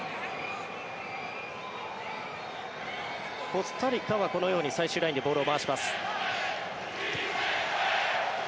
コスタリカは、このように最終ラインでボールを回します。